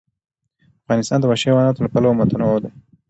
افغانستان د وحشي حیواناتو له پلوه متنوع دی.